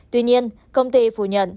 tuy nhiên công ty phủ nhận